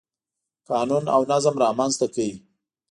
قانون او نظم رامنځته کړ.